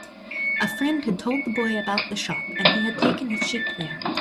A friend had told the boy about the shop, and he had taken his sheep there.